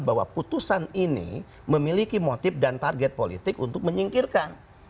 bahwa putusan ini memiliki motif dan target politik untuk menyingkirkan